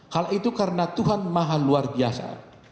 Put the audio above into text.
hal itu karena tuhan maha luar biasa